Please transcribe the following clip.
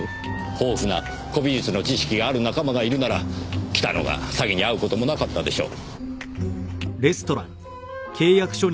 豊富な古美術の知識がある仲間がいるなら北野が詐欺に遭う事もなかったでしょう。